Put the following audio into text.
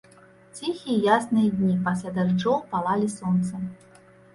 Ціхія ясныя дні, пасля дажджоў, палалі сонцам.